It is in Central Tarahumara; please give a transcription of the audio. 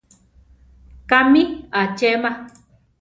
Kámi achema.